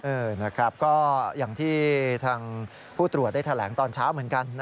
นะครับก็อย่างที่ทางผู้ตรวจได้แถลงตอนเช้าเหมือนกัน